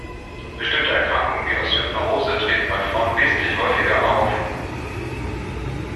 Bestimmte Erkrankungen wie die Osteoporose treten bei Frauen wesentlich häufiger auf.